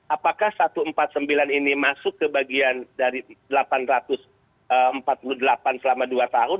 apakah satu ratus empat puluh sembilan ini masuk ke bagian dari delapan ratus empat puluh delapan selama dua tahun